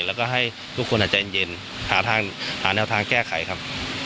แล้วก็ให้ทุกคนใจเย็นหาทางหาแนวทางแก้ไขครับ